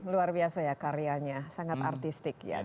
luar biasa ya karyanya sangat artistik ya